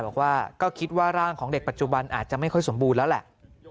บอกว่าก็คิดว่าร่างของเด็กปัจจุบันอาจจะไม่ค่อยสมบูรณ์แล้วแหละ